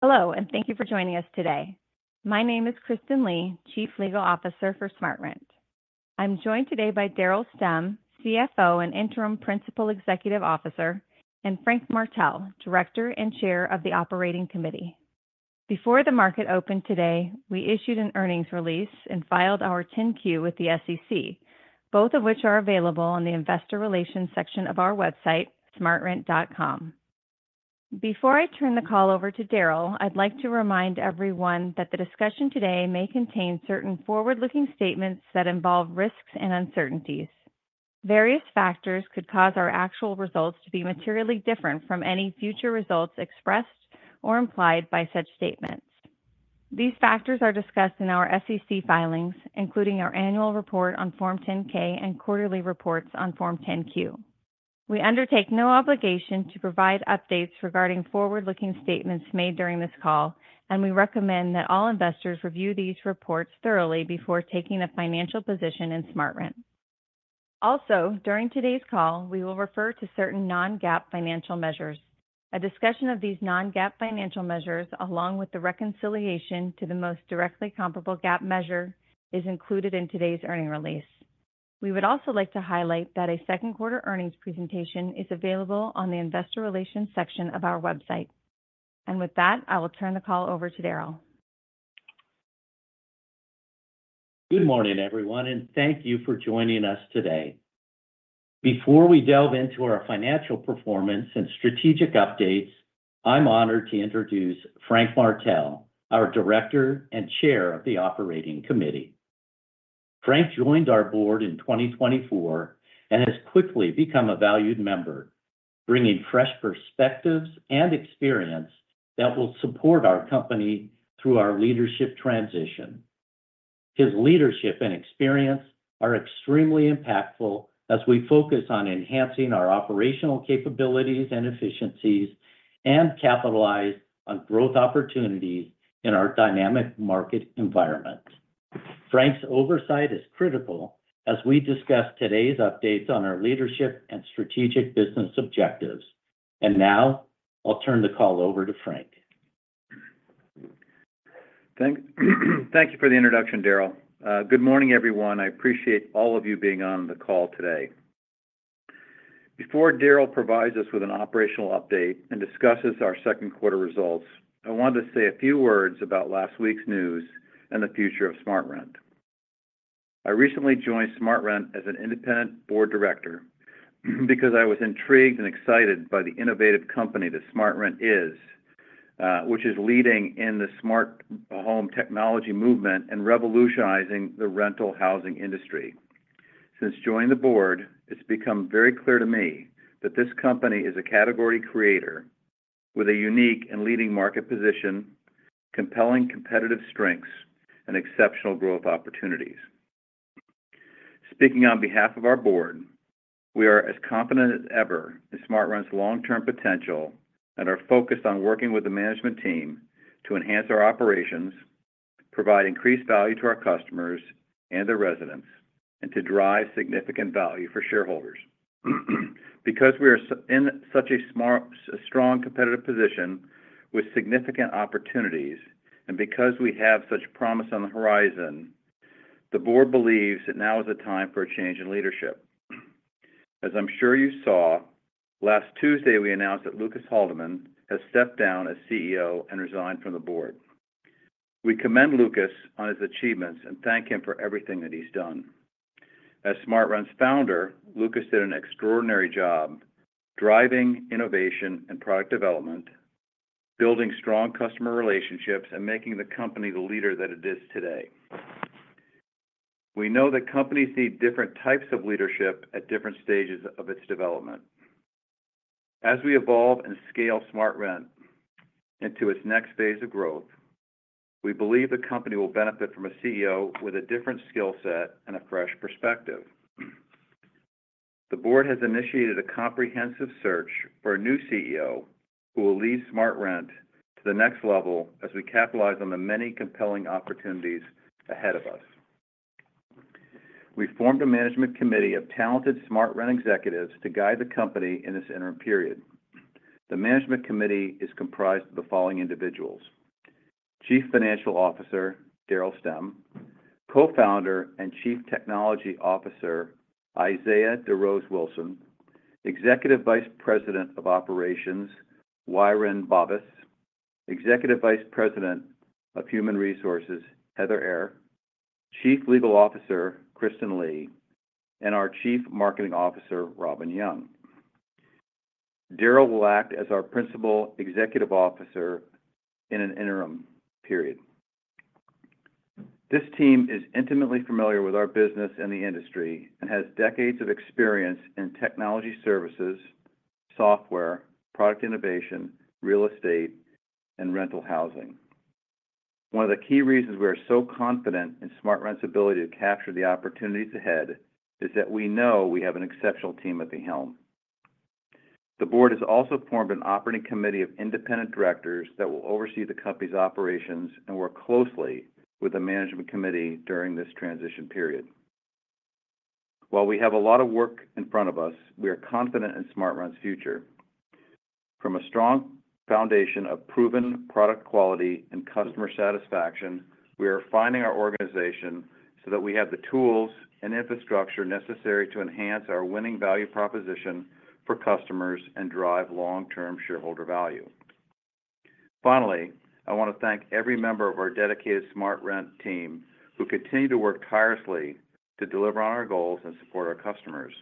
Hello, and thank you for joining us today. My name is Kristen Lee, Chief Legal Officer for SmartRent. I'm joined today by Daryl Stemm, CFO and Interim Principal Executive Officer, and Frank Martell, Director and Chair of the Operating Committee. Before the market opened today, we issued an earnings release and filed our 10-Q with the SEC, both of which are available on the investor relations section of our website, smartrent.com. Before I turn the call over to Daryl, I'd like to remind everyone that the discussion today may contain certain forward-looking statements that involve risks and uncertainties. Various factors could cause our actual results to be materially different from any future results expressed or implied by such statements. These factors are discussed in our SEC filings, including our annual report on Form 10-K and quarterly reports on Form 10-Q. We undertake no obligation to provide updates regarding forward-looking statements made during this call, and we recommend that all investors review these reports thoroughly before taking a financial position in SmartRent. Also, during today's call, we will refer to certain non-GAAP financial measures. A discussion of these non-GAAP financial measures, along with the reconciliation to the most directly comparable GAAP measure, is included in today's earnings release. We would also like to highlight that a second quarter earnings presentation is available on the investor relations section of our website. With that, I will turn the call over to Daryl. Good morning, everyone, and thank you for joining us today. Before we delve into our financial performance and strategic updates, I'm honored to introduce Frank Martell, our Director and Chair of the Operating Committee. Frank joined our board in 2024 and has quickly become a valued member, bringing fresh perspectives and experience that will support our company through our leadership transition. His leadership and experience are extremely impactful as we focus on enhancing our operational capabilities and efficiencies, and capitalize on growth opportunities in our dynamic market environment. Frank's oversight is critical as we discuss today's updates on our leadership and strategic business objectives. Now I'll turn the call over to Frank. Thank you for the introduction, Daryl. Good morning, everyone. I appreciate all of you being on the call today. Before Daryl provides us with an operational update and discusses our second quarter results, I wanted to say a few words about last week's news and the future of SmartRent. I recently joined SmartRent as an independent board director, because I was intrigued and excited by the innovative company that SmartRent is, which is leading in the smart home technology movement and revolutionizing the rental housing industry. Since joining the board, it's become very clear to me that this company is a category creator with a unique and leading market position, compelling competitive strengths, and exceptional growth opportunities. Speaking on behalf of our board, we are as confident as ever in SmartRent's long-term potential and are focused on working with the management team to enhance our operations, provide increased value to our customers and their residents, and to drive significant value for shareholders. Because we are in such a strong competitive position with significant opportunities, and because we have such promise on the horizon, the board believes that now is the time for a change in leadership. As I'm sure you saw, last Tuesday, we announced that Lucas Haldeman has stepped down as CEO and resigned from the board. We commend Lucas on his achievements and thank him for everything that he's done. As SmartRent's founder, Lucas did an extraordinary job driving innovation and product development, building strong customer relationships, and making the company the leader that it is today. We know that companies need different types of leadership at different stages of its development. As we evolve and scale SmartRent into its next phase of growth, we believe the company will benefit from a CEO with a different skill set and a fresh perspective. The board has initiated a comprehensive search for a new CEO who will lead SmartRent to the next level as we capitalize on the many compelling opportunities ahead of us. We formed a management committee of talented SmartRent executives to guide the company in this interim period. The management committee is comprised of the following individuals: Chief Financial Officer, Daryl Stemm, Co-founder and Chief Technology Officer, Isaiah DeRose-Wilson, Executive Vice President of Operations, Biron Bobis, Executive Vice President of Human Resources, Heather Auer, Chief Legal Officer, Kristen Lee, and our Chief Marketing Officer, Robyn Young. Daryl will act as our Principal Executive Officer in an interim period. This team is intimately familiar with our business and the industry and has decades of experience in technology services, software, product innovation, real estate, and rental housing. One of the key reasons we are so confident in SmartRent's ability to capture the opportunities ahead is that we know we have an exceptional team at the helm. The board has also formed an operating committee of independent directors that will oversee the company's operations and work closely with the management committee during this transition period. While we have a lot of work in front of us, we are confident in SmartRent's future. From a strong foundation of proven product quality and customer satisfaction, we are refining our organization so that we have the tools and infrastructure necessary to enhance our winning value proposition for customers and drive long-term shareholder value. Finally, I want to thank every member of our dedicated SmartRent team, who continue to work tirelessly to deliver on our goals and support our customers.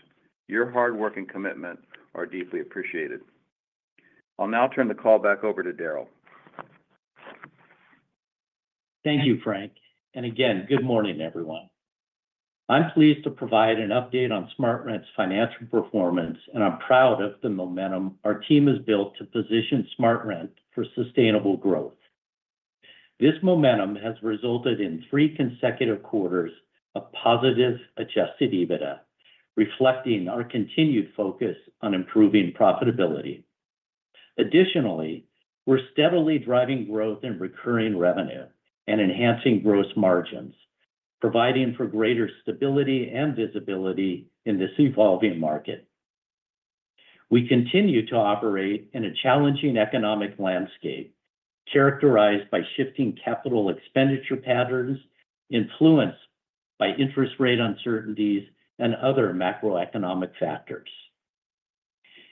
Your hard work and commitment are deeply appreciated. I'll now turn the call back over to Daryl. Thank you, Frank, and again, good morning, everyone. I'm pleased to provide an update on SmartRent's financial performance, and I'm proud of the momentum our team has built to position SmartRent for sustainable growth. This momentum has resulted in three consecutive quarters of positive Adjusted EBITDA, reflecting our continued focus on improving profitability. Additionally, we're steadily driving growth in recurring revenue and enhancing gross margins, providing for greater stability and visibility in this evolving market. We continue to operate in a challenging economic landscape, characterized by shifting capital expenditure patterns, influenced by interest rate uncertainties and other macroeconomic factors.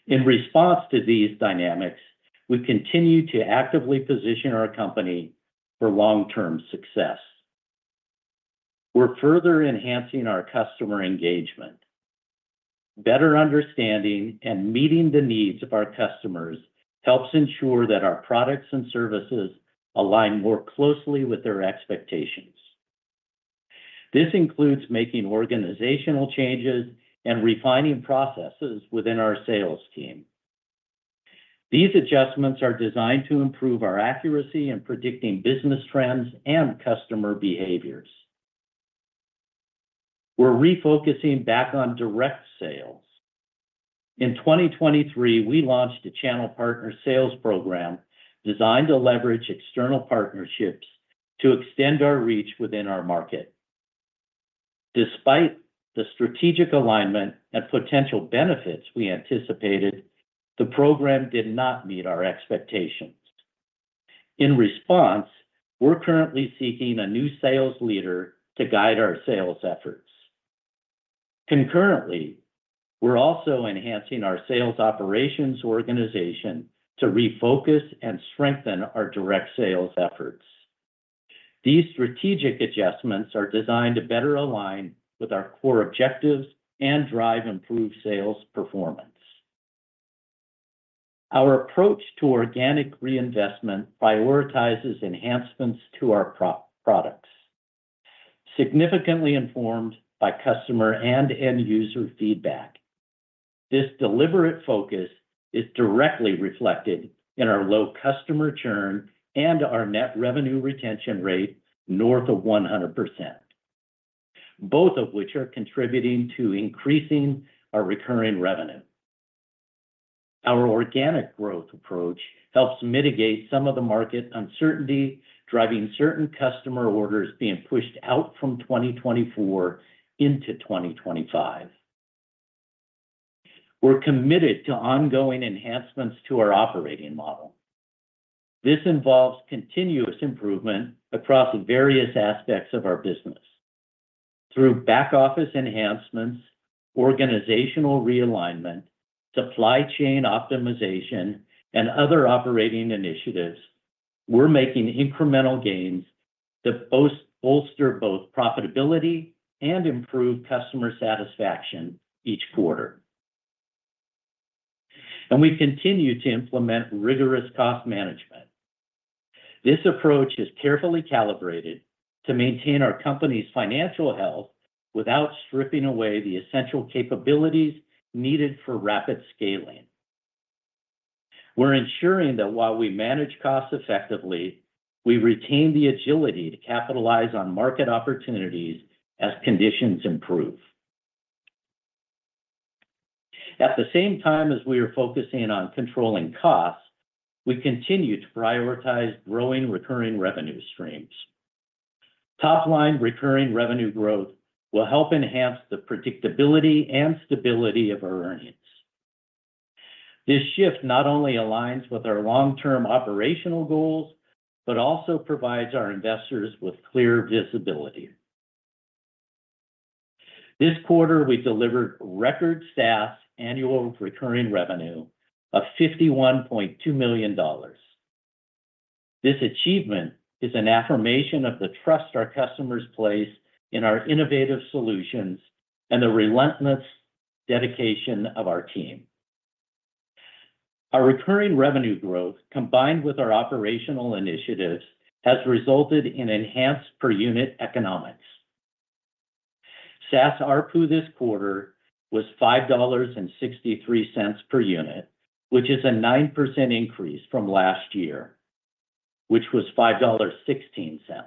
In response to these dynamics, we continue to actively position our company for long-term success. We're further enhancing our customer engagement. Better understanding and meeting the needs of our customers helps ensure that our products and services align more closely with their expectations. This includes making organizational changes and refining processes within our sales team. These adjustments are designed to improve our accuracy in predicting business trends and customer behaviors. We're refocusing back on direct sales. In 2023, we launched a channel partner sales program designed to leverage external partnerships to extend our reach within our market. Despite the strategic alignment and potential benefits we anticipated, the program did not meet our expectations. In response, we're currently seeking a new sales leader to guide our sales efforts. Concurrently, we're also enhancing our sales operations organization to refocus and strengthen our direct sales efforts. These strategic adjustments are designed to better align with our core objectives and drive improved sales performance. Our approach to organic reinvestment prioritizes enhancements to our pro- products, significantly informed by customer and end-user feedback. This deliberate focus is directly reflected in our low customer churn and our net revenue retention rate north of 100%, both of which are contributing to increasing our recurring revenue. Our organic growth approach helps mitigate some of the market uncertainty, driving certain customer orders being pushed out from 2024 into 2025. We're committed to ongoing enhancements to our operating model. This involves continuous improvement across various aspects of our business. Through back-office enhancements, organizational realignment, supply chain optimization, and other operating initiatives, we're making incremental gains that bolster both profitability and improve customer satisfaction each quarter. And we continue to implement rigorous cost management. This approach is carefully calibrated to maintain our company's financial health without stripping away the essential capabilities needed for rapid scaling. We're ensuring that while we manage costs effectively, we retain the agility to capitalize on market opportunities as conditions improve. At the same time as we are focusing on controlling costs, we continue to prioritize growing recurring revenue streams. Top-line recurring revenue growth will help enhance the predictability and stability of our earnings. This shift not only aligns with our long-term operational goals, but also provides our investors with clear visibility. This quarter, we delivered record SaaS annual recurring revenue of $51.2 million. This achievement is an affirmation of the trust our customers place in our innovative solutions and the relentless dedication of our team. Our recurring revenue growth, combined with our operational initiatives, has resulted in enhanced per-unit economics. SaaS ARPU this quarter was $5.63 per unit, which is a 9% increase from last year, which was $5.16.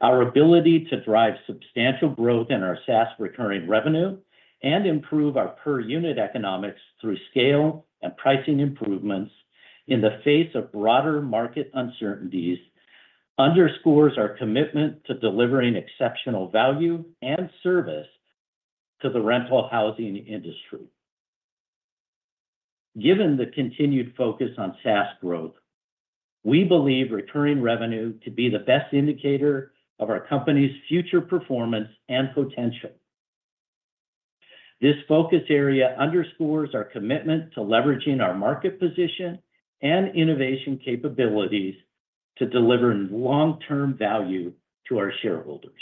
Our ability to drive substantial growth in our SaaS recurring revenue and improve our per-unit economics through scale and pricing improvements in the face of broader market uncertainties underscores our commitment to delivering exceptional value and service to the rental housing industry. Given the continued focus on SaaS growth, we believe recurring revenue to be the best indicator of our company's future performance and potential. This focus area underscores our commitment to leveraging our market position and innovation capabilities to deliver long-term value to our shareholders.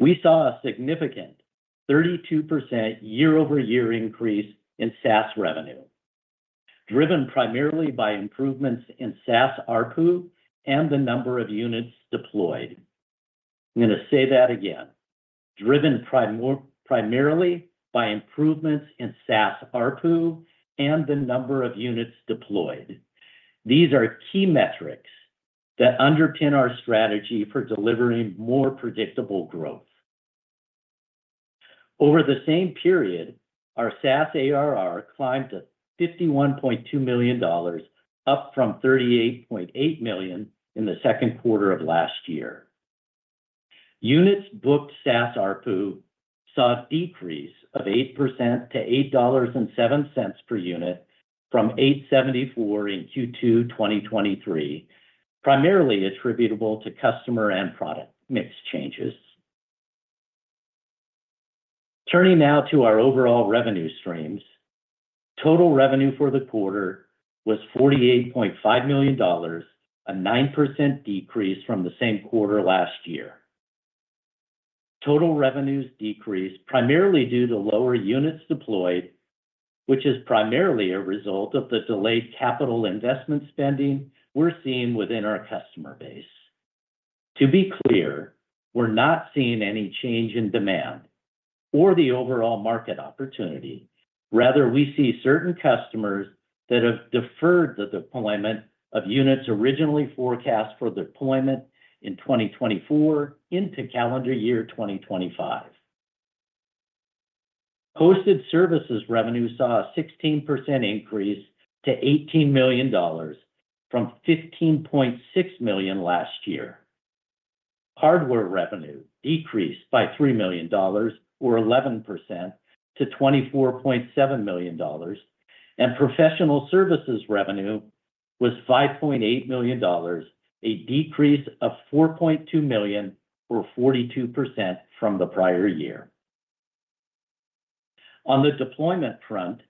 We saw a significant 32% year-over-year increase in SaaS revenue, driven primarily by improvements in SaaS ARPU and the number of units deployed. I'm going to say that again. Driven primarily by improvements in SaaS ARPU and the number of units deployed. These are key metrics that underpin our strategy for delivering more predictable growth. Over the same period, our SaaS ARR climbed to $51.2 million, up from $38.8 million in the second quarter of last year. Units booked SaaS ARPU saw a decrease of 8% to $8.07 per unit from $8.74 in Q2 2023, primarily attributable to customer and product mix changes. Turning now to our overall revenue streams, total revenue for the quarter was $48.5 million, a 9% decrease from the same quarter last year. Total revenues decreased primarily due to lower units deployed, which is primarily a result of the delayed capital investment spending we're seeing within our customer base. To be clear, we're not seeing any change in demand or the overall market opportunity. Rather, we see certain customers that have deferred the deployment of units originally forecast for deployment in 2024 into calendar year 2025. Hosted services revenue saw a 16% increase to $18 million from $15.6 million last year. Hardware revenue decreased by $3 million, or 11% to $24.7 million, and professional services revenue was $5.8 million, a decrease of $4.2 million, or 42% from the prior year. On the deployment front,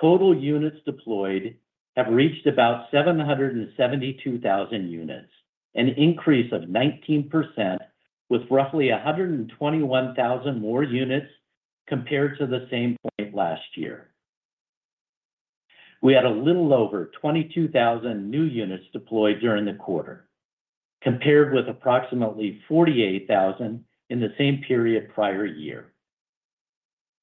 total units deployed have reached about 772,000 units, an increase of 19%, with roughly 121,000 more units compared to the same point last year. We had a little over 22,000 new units deployed during the quarter, compared with approximately 48,000 in the same period prior year.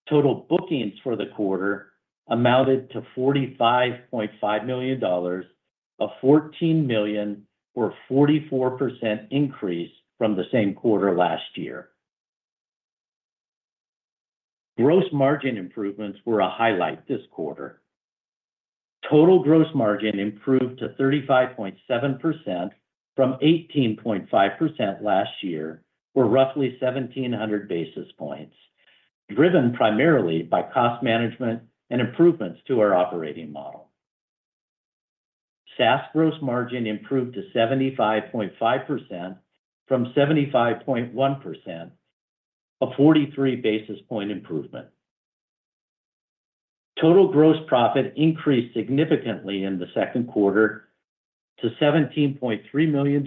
Total bookings for the quarter amounted to $45.5 million, a $14 million, or 44% increase from the same quarter last year. Gross margin improvements were a highlight this quarter. Total gross margin improved to 35.7% from 18.5% last year, or roughly 1,700 basis points, driven primarily by cost management and improvements to our operating model. SaaS gross margin improved to 75.5% from 75.1%, a 43 basis point improvement. Total gross profit increased significantly in the second quarter to $17.3 million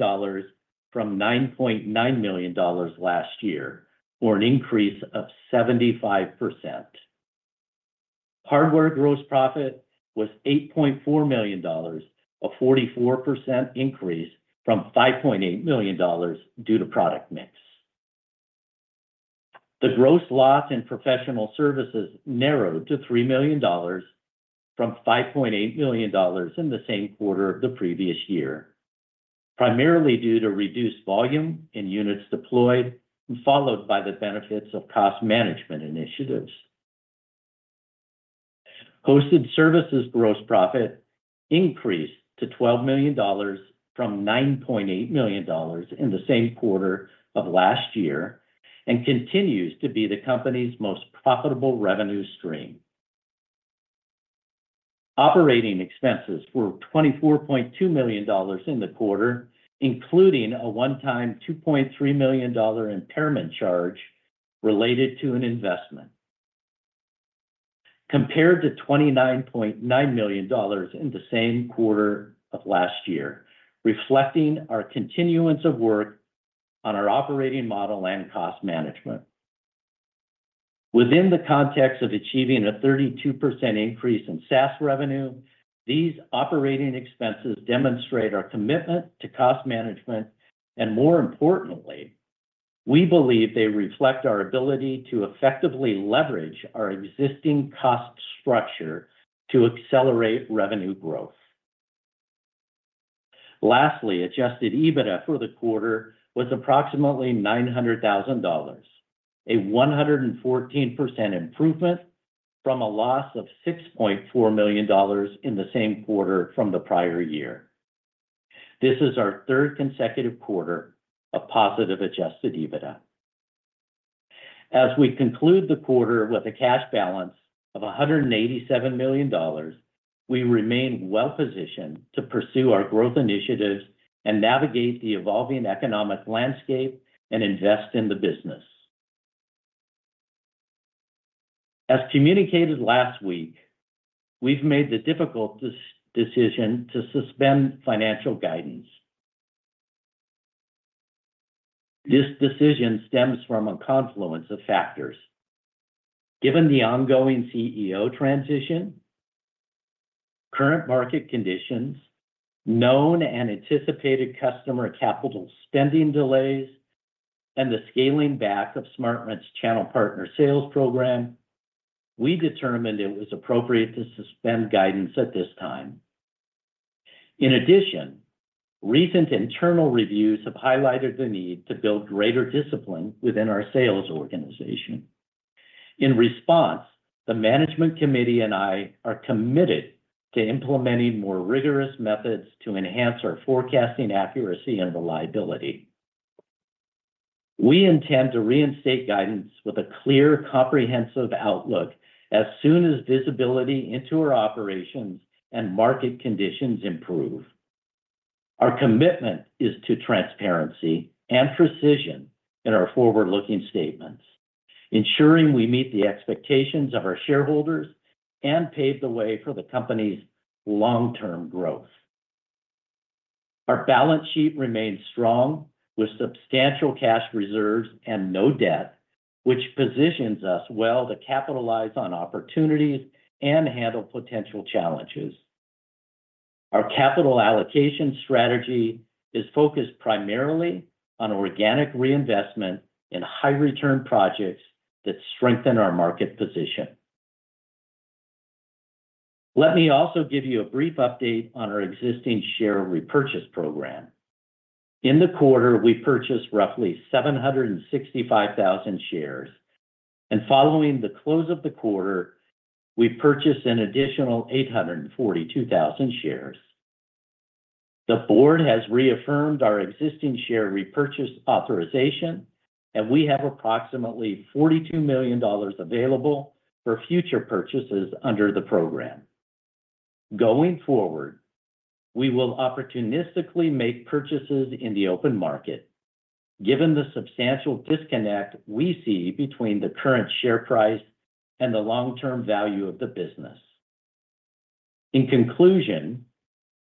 from $9.9 million last year, or an increase of 75%. Hardware gross profit was $8.4 million, a 44% increase from $5.8 million due to product mix. The gross loss in professional services narrowed to $3 million from $5.8 million in the same quarter of the previous year, primarily due to reduced volume in units deployed, followed by the benefits of cost management initiatives. Hosted services gross profit increased to $12 million from $9.8 million in the same quarter of last year, and continues to be the company's most profitable revenue stream. Operating expenses were $24.2 million in the quarter, including a one-time $2.3 million dollar impairment charge related to an investment, compared to $29.9 million in the same quarter of last year, reflecting our continuance of work on our operating model and cost management. Within the context of achieving a 32% increase in SaaS revenue, these operating expenses demonstrate our commitment to cost management, and more importantly, we believe they reflect our ability to effectively leverage our existing cost structure to accelerate revenue growth. Lastly, Adjusted EBITDA for the quarter was approximately $900,000, a 114% improvement from a loss of $6.4 million in the same quarter from the prior year. This is our third consecutive quarter of positive Adjusted EBITDA. As we conclude the quarter with a cash balance of $187 million, we remain well positioned to pursue our growth initiatives and navigate the evolving economic landscape and invest in the business. As communicated last week, we've made the difficult decision to suspend financial guidance. This decision stems from a confluence of factors. Given the ongoing CEO transition, current market conditions, known and anticipated customer capital spending delays, and the scaling back of SmartRent's channel partner sales program, we determined it was appropriate to suspend guidance at this time. In addition, recent internal reviews have highlighted the need to build greater discipline within our sales organization. In response, the management committee and I are committed to implementing more rigorous methods to enhance our forecasting accuracy and reliability. We intend to reinstate guidance with a clear, comprehensive outlook as soon as visibility into our operations and market conditions improve. Our commitment is to transparency and precision in our forward-looking statements, ensuring we meet the expectations of our shareholders and pave the way for the company's long-term growth. Our balance sheet remains strong, with substantial cash reserves and no debt, which positions us well to capitalize on opportunities and handle potential challenges. Our capital allocation strategy is focused primarily on organic reinvestment in high-return projects that strengthen our market position. Let me also give you a brief update on our existing share repurchase program. In the quarter, we purchased roughly 765,000 shares, and following the close of the quarter, we purchased an additional 842,000 shares. The board has reaffirmed our existing share repurchase authorization, and we have approximately $42 million available for future purchases under the program. Going forward, we will opportunistically make purchases in the open market, given the substantial disconnect we see between the current share price and the long-term value of the business. In conclusion,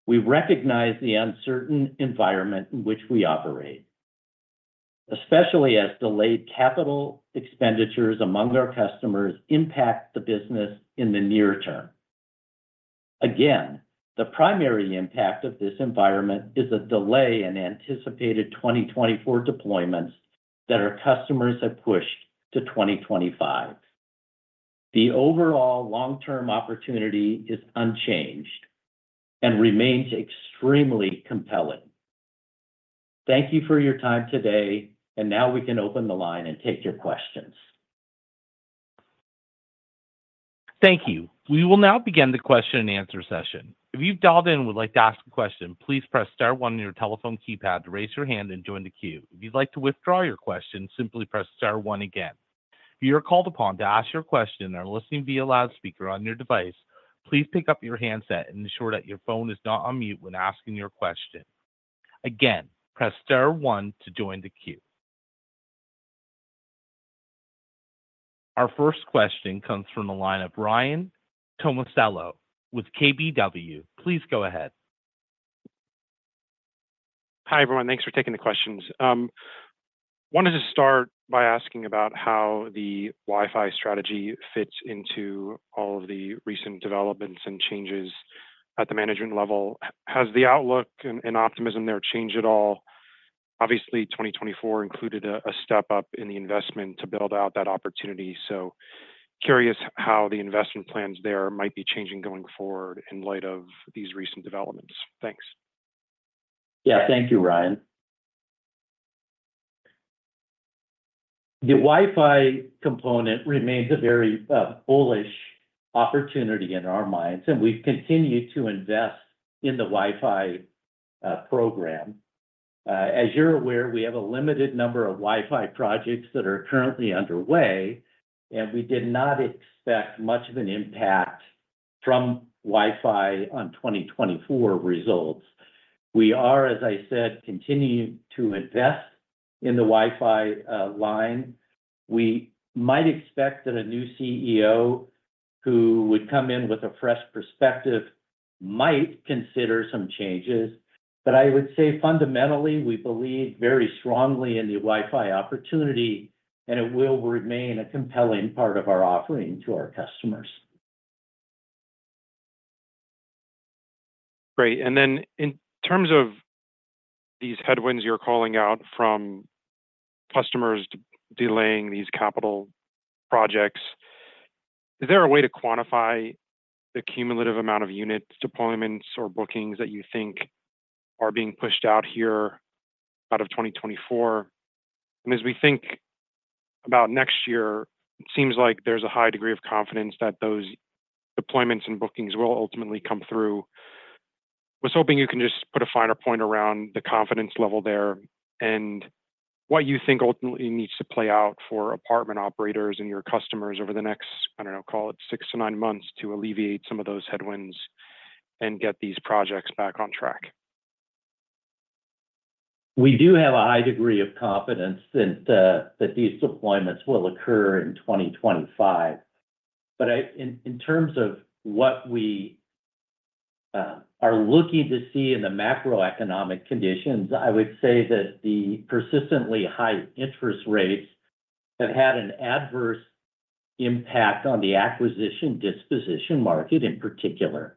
we recognize the uncertain environment in which we operate, especially as delayed capital expenditures among our customers impact the business in the near term. Again, the primary impact of this environment is a delay in anticipated 2024 deployments that our customers have pushed to 2025. The overall long-term opportunity is unchanged and remains extremely compelling. Thank you for your time today, and now we can open the line and take your questions. Thank you. We will now begin the question and answer session. If you've dialed in and would like to ask a question, please press star one on your telephone keypad to raise your hand and join the queue. If you'd like to withdraw your question, simply press star one again. If you are called upon to ask your question and are listening via loudspeaker on your device, please pick up your handset and ensure that your phone is not on mute when asking your question. Again, press star one to join the queue. Our first question comes from the line of Ryan Tomasello with KBW. Please go ahead. Hi, everyone. Thanks for taking the questions. Wanted to start by asking about how the Wi-Fi strategy fits into all of the recent developments and changes at the management level. Has the outlook and optimism there changed at all? Obviously, 2024 included a step up in the investment to build out that opportunity, so curious how the investment plans there might be changing going forward in light of these recent developments. Thanks. Yeah. Thank you, Ryan. The Wi-Fi component remains a very bullish opportunity in our minds, and we've continued to invest in the Wi-Fi program. As you're aware, we have a limited number of Wi-Fi projects that are currently underway, and we did not expect much of an impact from Wi-Fi on 2024 results. We are, as I said, continuing to invest in the Wi-Fi line. We might expect that a new CEO, who would come in with a fresh perspective, might consider some changes. But I would say, fundamentally, we believe very strongly in the Wi-Fi opportunity, and it will remain a compelling part of our offering to our customers. Great. Then in terms of these headwinds you're calling out from customers delaying these capital projects. Is there a way to quantify the cumulative amount of unit deployments or bookings that you think are being pushed out here out of 2024? And as we think about next year, it seems like there's a high degree of confidence that those deployments and bookings will ultimately come through. I was hoping you can just put a finer point around the confidence level there, and what you think ultimately needs to play out for apartment operators and your customers over the next, I don't know, call it six to nine months, to alleviate some of those headwinds and get these projects back on track. We do have a high degree of confidence that that these deployments will occur in 2025. But I in terms of what we are looking to see in the macroeconomic conditions, I would say that the persistently high interest rates have had an adverse impact on the acquisition-disposition market in particular.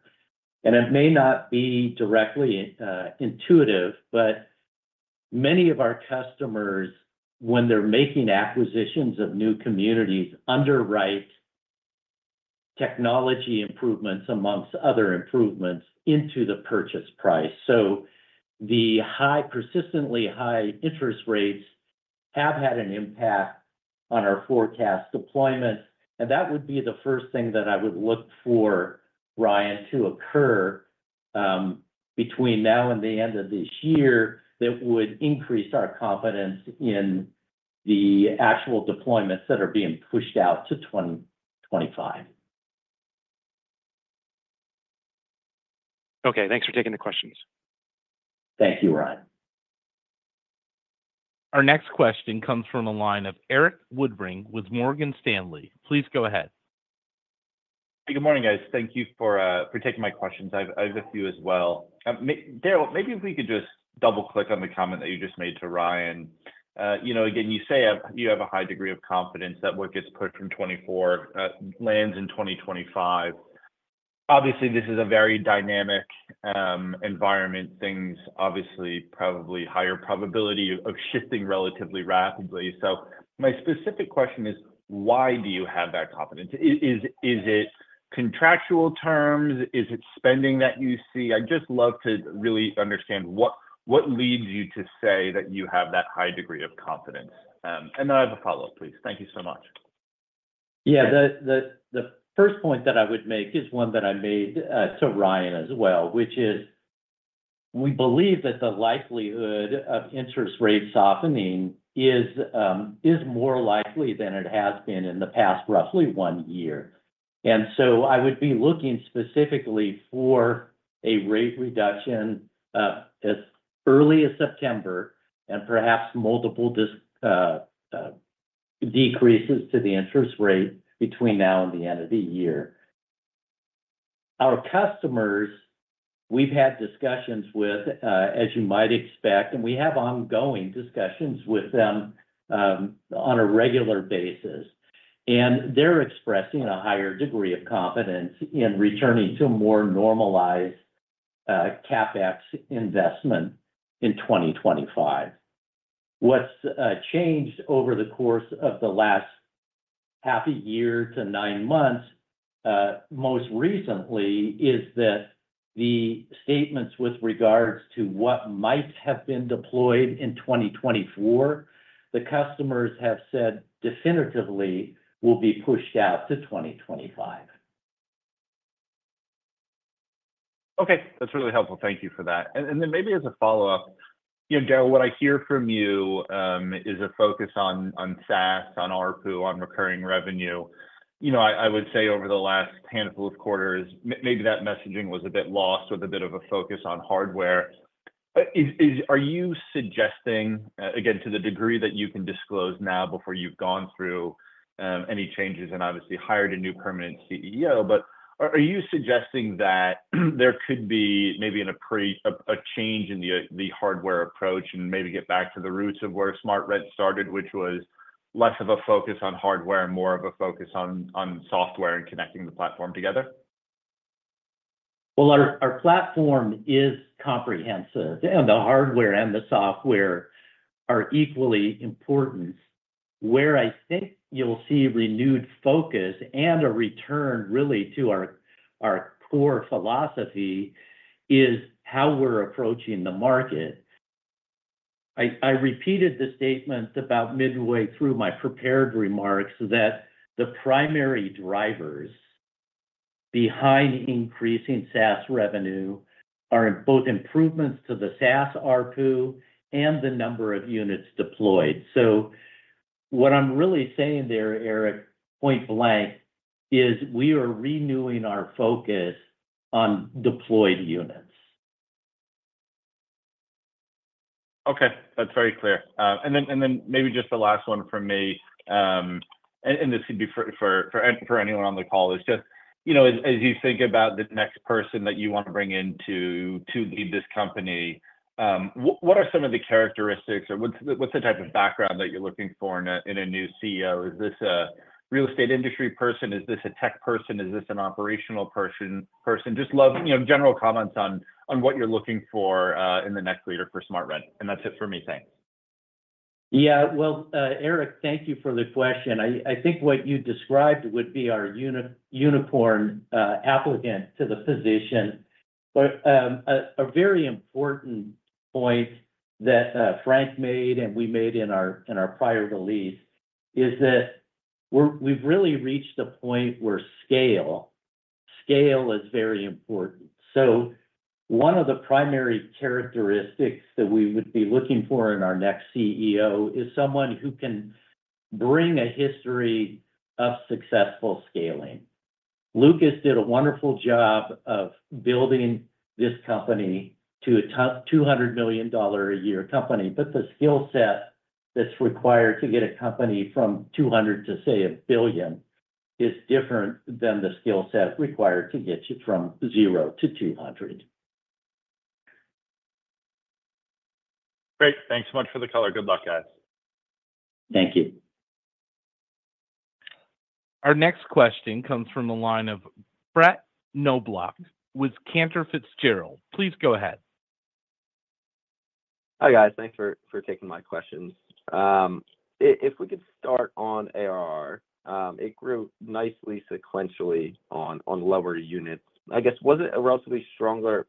And it may not be directly intuitive, but many of our customers, when they're making acquisitions of new communities, underwrite technology improvements among other improvements into the purchase price. So the persistently high interest rates have had an impact on our forecast deployment, and that would be the first thing that I would look for, Ryan, to occur between now and the end of this year, that would increase our confidence in the actual deployments that are being pushed out to 2025. Okay. Thanks for taking the questions. Thank you, Ryan. Our next question comes from the line of Erik Woodring with Morgan Stanley. Please go ahead. Good morning, guys. Thank you for taking my questions. I have a few as well. Daryl, maybe if we could just double-click on the comment that you just made to Ryan. You know, again, you say you have a high degree of confidence that what gets pushed from 2024 lands in 2025. Obviously, this is a very dynamic environment, things obviously, probably higher probability of shifting relatively rapidly. So my specific question is, why do you have that confidence? Is it contractual terms? Is it spending that you see? I'd just love to really understand what leads you to say that you have that high degree of confidence. And then I have a follow-up, please. Thank you so much. Yeah. The first point that I would make is one that I made to Ryan as well, which is we believe that the likelihood of interest rate softening is more likely than it has been in the past, roughly one year. And so I would be looking specifically for a rate reduction as early as September, and perhaps multiple decreases to the interest rate between now and the end of the year. Our customers, we've had discussions with, as you might expect, and we have ongoing discussions with them on a regular basis, and they're expressing a higher degree of confidence in returning to a more normalized CapEx investment in 2025. What's changed over the course of the last half a year to nine months, most recently, is that the statements with regards to what might have been deployed in 2024, the customers have said definitively will be pushed out to 2025. Okay. That's really helpful. Thank you for that. And then maybe as a follow-up, you know, Daryl, what I hear from you is a focus on SaaS, on ARPU, on recurring revenue. You know, I would say over the last handful of quarters, maybe that messaging was a bit lost with a bit of a focus on hardware. But are you suggesting, again, to the degree that you can disclose now before you've gone through any changes and obviously hired a new permanent CEO, but are you suggesting that there could be maybe a change in the hardware approach and maybe get back to the roots of where SmartRent started, which was less of a focus on hardware and more of a focus on software and connecting the platform together? Well, our platform is comprehensive, and the hardware and the software are equally important. Where I think you'll see renewed focus and a return, really, to our core philosophy is how we're approaching the market. I repeated the statement about midway through my prepared remarks, that the primary drivers behind increasing SaaS revenue are in both improvements to the SaaS ARPU and the number of units deployed. So what I'm really saying there, Eric, point-blank, is we are renewing our focus on deployed units. Okay, that's very clear. And then maybe just the last one from me, and this could be for anyone on the call. It's just, you know, as you think about the next person that you want to bring in to lead this company, what are some of the characteristics or what's the type of background that you're looking for in a new CEO? Is this a real estate industry person? Is this a tech person? Is this an operational person? Just love, you know, general comments on what you're looking for in the next leader for SmartRent. And that's it for me. Thanks.... Yeah. Well, Erik, thank you for the question. I think what you described would be our unicorn applicant to the position. But, a very important point that Frank made and we made in our prior release, is that we've really reached a point where scale is very important. So one of the primary characteristics that we would be looking for in our next CEO is someone who can bring a history of successful scaling. Lucas did a wonderful job of building this company to a top $200 million a year company, but the skill set that's required to get a company from $200 million to, say, $1 billion, is different than the skill set required to get you from zero to $200 million. Great. Thanks so much for the color. Good luck, guys. Thank you. Our next question comes from the line of Brett Knoblauch, with Cantor Fitzgerald. Please go ahead. Hi, guys. Thanks for taking my questions. If we could start on ARR. It grew nicely sequentially on lower units. I guess, was it a relatively stronger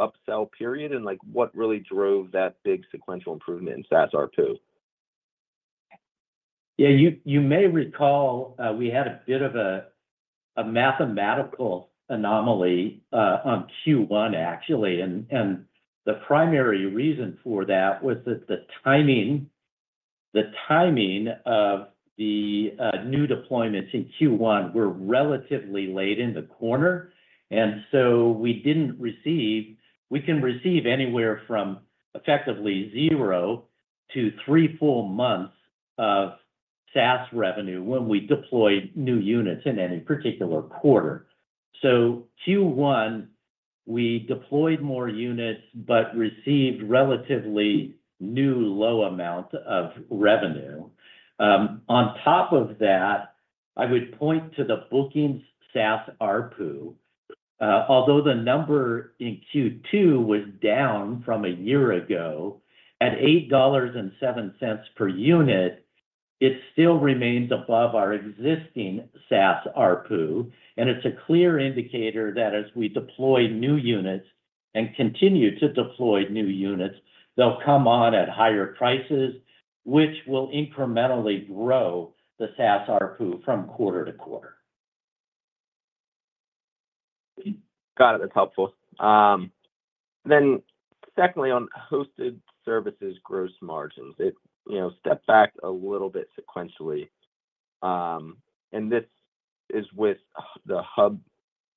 upsell period, and, like, what really drove that big sequential improvement in SaaS ARPU? Yeah, you may recall, we had a bit of a mathematical anomaly on Q1, actually, and the primary reason for that was that the timing of the new deployments in Q1 were relatively late in the quarter, and so we didn't receive... We can receive anywhere from effectively zero to three full months of SaaS revenue when we deploy new units in any particular quarter. So Q1, we deployed more units, but received relatively low amount of revenue. On top of that, I would point to the bookings SaaS ARPU. Although the number in Q2 was down from a year ago, at $8.07 per unit, it still remains above our existing SaaS ARPU, and it's a clear indicator that as we deploy new units, and continue to deploy new units, they'll come on at higher prices, which will incrementally grow the SaaS ARPU from quarter to quarter. Got it. That's helpful. Then, secondly, on hosted services gross margins, it, you know, stepped back a little bit sequentially. And this is with the hub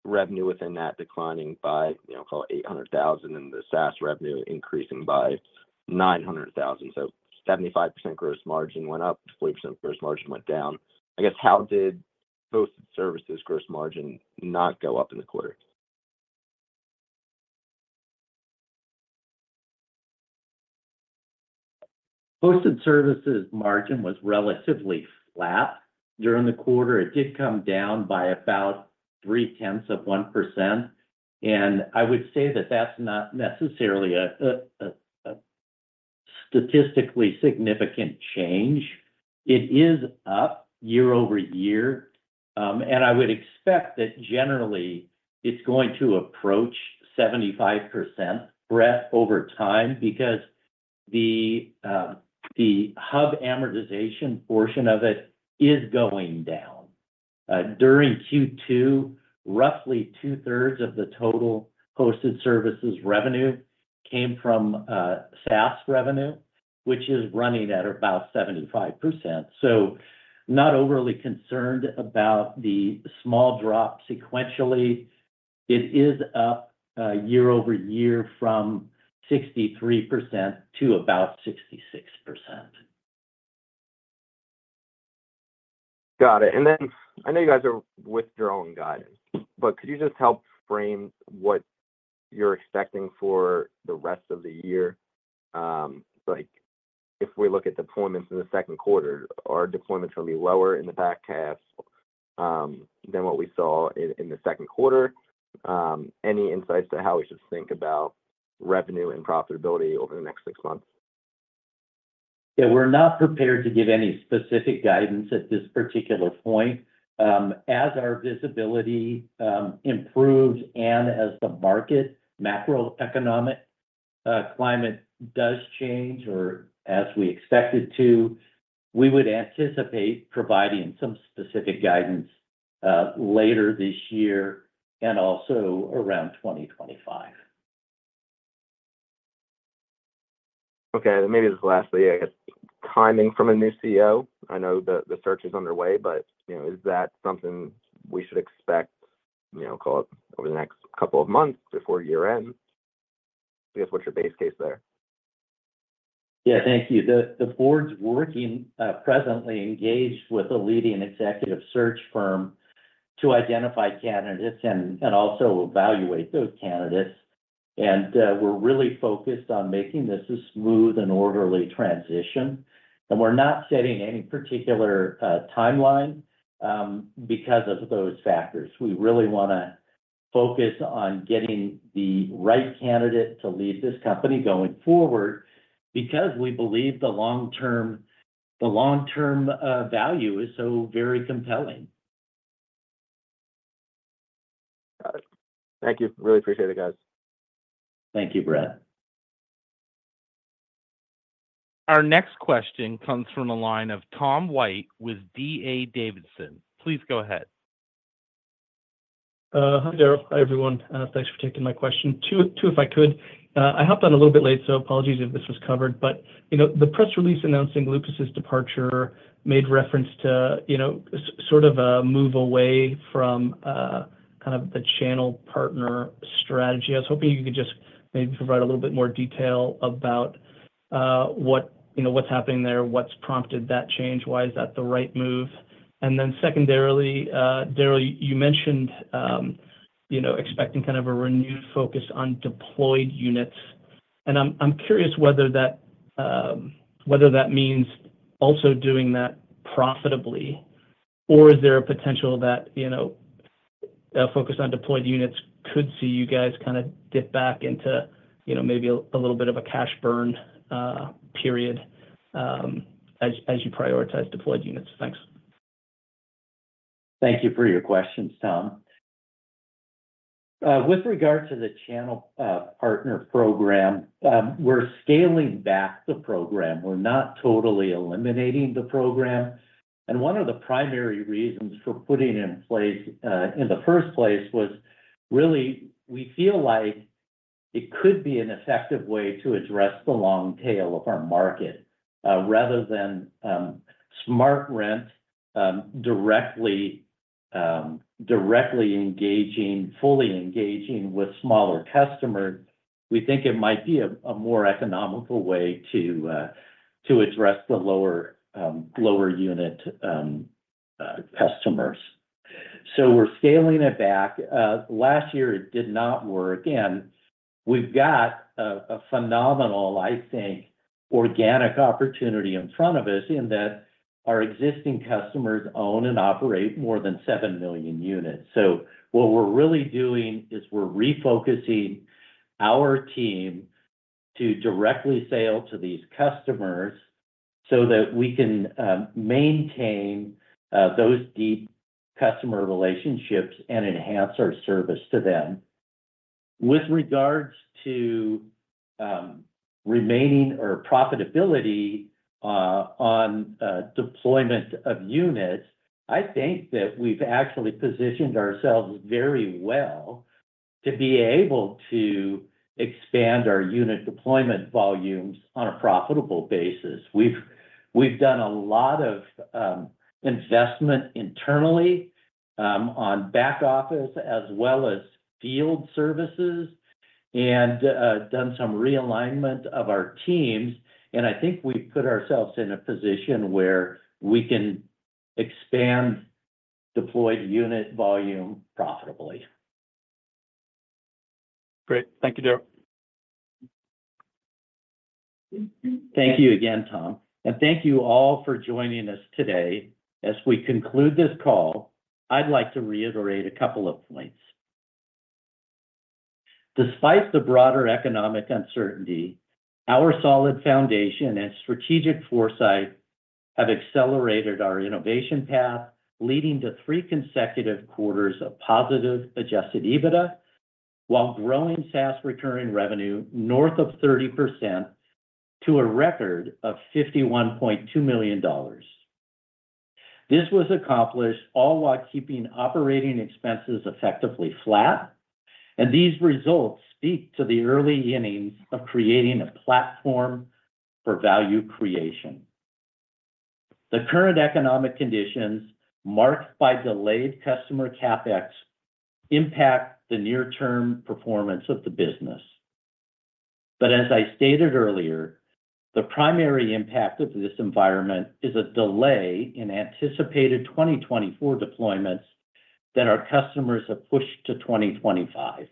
revenue within that declining by, you know, call it $800,000, and the SaaS revenue increasing by $900,000. So 75% gross margin went up, 40% gross margin went down. I guess, how did hosted services gross margin not go up in the quarter? Hosted services margin was relatively flat during the quarter. It did come down by about 0.3%, and I would say that that's not necessarily a statistically significant change. It is up year-over-year, and I would expect that generally it's going to approach 75% breadth over time, because the hub amortization portion of it is going down. During Q2, roughly two-thirds of the total hosted services revenue came from SaaS revenue, which is running at about 75%. So not overly concerned about the small drop sequentially. It is up year-over-year from 63% to about 66%. Got it. And then, I know you guys are withdrawing guidance, but could you just help frame what you're expecting for the rest of the year? Like, if we look at deployments in the second quarter, are deployments gonna be lower in the back half, than what we saw in the second quarter? Any insights to how we should think about revenue and profitability over the next six months? Yeah, we're not prepared to give any specific guidance at this particular point. As our visibility improves and as the market macroeconomic climate does change, or as we expect it to, we would anticipate providing some specific guidance later this year, and also around 2025. Okay, maybe just lastly, I guess, timing from a new CEO. I know the search is underway, but, you know, is that something we should expect, you know, call it, over the next couple of months before year-end? I guess, what's your base case there? Yeah. Thank you. The board's working presently engaged with a leading executive search firm to identify candidates and also evaluate those candidates. And we're really focused on making this a smooth and orderly transition, and we're not setting any particular timeline because of those factors. We really wanna focus on getting the right candidate to lead this company going forward, because we believe the long-term value is so very compelling. Got it. Thank you. Really appreciate it, guys. Thank you, Brett. Our next question comes from the line of Tom White with D.A. Davidson. Please go ahead. Hi, Daryl. Hi, everyone. Thanks for taking my question. Two, if I could. I hopped on a little bit late, so apologies if this was covered, but, you know, the press release announcing Lucas's departure made reference to, you know, sort of a move away from kind of the channel partner strategy. I was hoping you could just maybe provide a little bit more detail about what, you know, what's happening there, what's prompted that change, why is that the right move? And then secondarily, Daryl, you mentioned, you know, expecting kind of a renewed focus on deployed units. I'm curious whether that means also doing that profitably, or is there a potential that, you know, a focus on deployed units could see you guys kinda dip back into, you know, maybe a little bit of a cash burn period, as you prioritize deployed units? Thanks. Thank you for your questions, Tom. With regard to the channel partner program, we're scaling back the program. We're not totally eliminating the program, and one of the primary reasons for putting it in place in the first place was really we feel like it could be an effective way to address the long tail of our market. Rather than SmartRent directly fully engaging with smaller customers, we think it might be a more economical way to address the lower unit customers. So we're scaling it back. Last year it did not work, and we've got a phenomenal, I think, organic opportunity in front of us in that our existing customers own and operate more than 7 million units. So what we're really doing is we're refocusing our team to directly sell to these customers so that we can maintain those deep customer relationships and enhance our service to them. With regards to remaining or profitability on deployment of units, I think that we've actually positioned ourselves very well to be able to expand our unit deployment volumes on a profitable basis. We've done a lot of investment internally on back office as well as field services, and done some realignment of our teams, and I think we've put ourselves in a position where we can expand deployed unit volume profitably. Great. Thank you, Daryl. Thank you again, Tom, and thank you all for joining us today. As we conclude this call, I'd like to reiterate a couple of points. Despite the broader economic uncertainty, our solid foundation and strategic foresight have accelerated our innovation path, leading to three consecutive quarters of positive Adjusted EBITDA, while growing SaaS recurring revenue north of 30% to a record of $51.2 million. This was accomplished all while keeping operating expenses effectively flat, and these results speak to the early innings of creating a platform for value creation. The current economic conditions, marked by delayed customer CapEx, impact the near-term performance of the business. But as I stated earlier, the primary impact of this environment is a delay in anticipated 2024 deployments that our customers have pushed to 2025.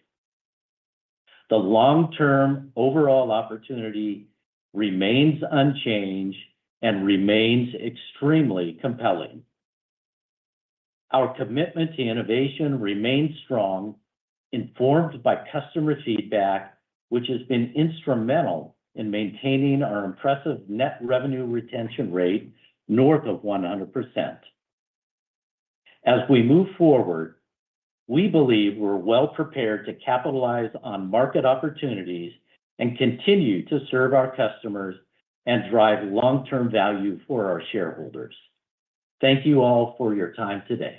The long-term overall opportunity remains unchanged and remains extremely compelling. Our commitment to innovation remains strong, informed by customer feedback, which has been instrumental in maintaining our impressive net revenue retention rate north of 100%. As we move forward, we believe we're well prepared to capitalize on market opportunities and continue to serve our customers and drive long-term value for our shareholders. Thank you all for your time today.